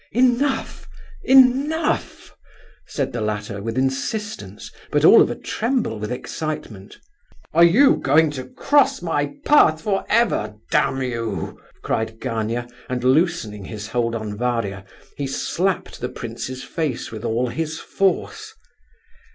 "Enough—enough!" said the latter, with insistence, but all of a tremble with excitement. "Are you going to cross my path for ever, damn you!" cried Gania; and, loosening his hold on Varia, he slapped the prince's face with all his force.